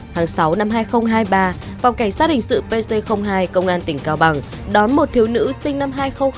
tháng sáu năm hai nghìn hai mươi ba phòng cảnh sát hình sự pc hai công an tỉnh cao bằng đón một thiếu nữ sinh năm hai nghìn hai